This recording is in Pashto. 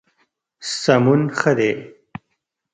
سمون ښه دی.